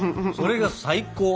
それが最高。